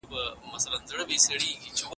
آیا تاسې پرون بازار ته تللي وئ؟